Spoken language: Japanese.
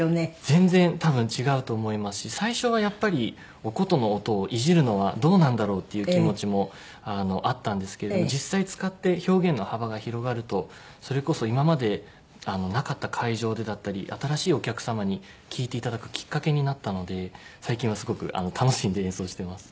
全然多分違うと思いますし最初はやっぱりお箏の音をいじるのはどうなんだろう？っていう気持ちもあったんですけれども実際使って表現の幅が広がるとそれこそ今までなかった会場でだったり新しいお客様に聴いていただくきっかけになったので最近はすごく楽しんで演奏してます。